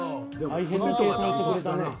大変な計算してくれたな。